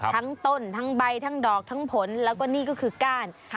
ทั้งต้นทั้งใบทั้งดอกทั้งผลแล้วก็นี่ก็คือก้าน